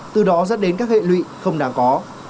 từ đó dẫn đến các hệ lụy không đáng có